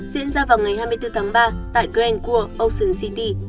diễn ra vào ngày hai mươi bốn tháng ba tại grand world ocean city